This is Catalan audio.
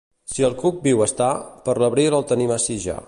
Si el cuc viu està, per l'abril el tenim ací ja.